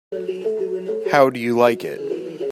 How do you like it?